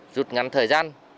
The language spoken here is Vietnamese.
rút ngắn thời gian